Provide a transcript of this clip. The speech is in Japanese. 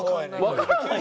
わからない？